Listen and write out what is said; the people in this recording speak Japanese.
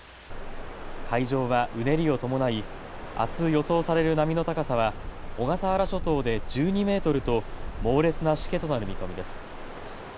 海上はうねりを伴い、あす予想される波の高さは小笠原諸島で１２メートルと猛烈なしけとなる見込みです。